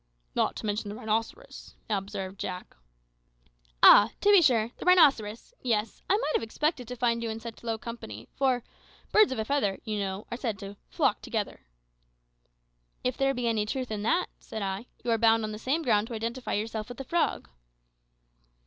"Not to mention the rhinoceros," observed Jack. "Ah! to be sure the rhinoceros; yes, I might have expected to find you in such low company, for `birds of a feather,' you know, are said to `flock together.'" "If there be any truth in that," said I, "you are bound, on the same ground, to identify yourself with the frog."